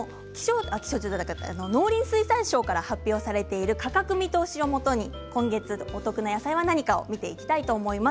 農林水産省から発表されている価格見通しをもとに今月のお得な野菜は何かを見ていきたいと思います。